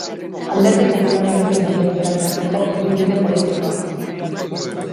Alderdi Popularrarekin egin du orain arteko ibilbide politikoa.